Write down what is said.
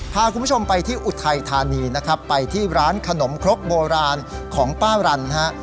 พาคุณผู้ชมไปที่อุทัยธานีนะครับไปที่ร้านขนมครกโบราณของป้ารันฮะ